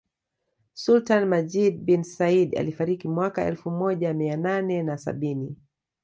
Sultani Majid bin Said alifariki mwaka elfu moja Mia nane na sabini